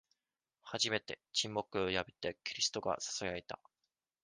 初めて、沈黙を破って、キリストがささやいた。